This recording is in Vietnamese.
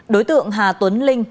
đối tượng hà tuấn linh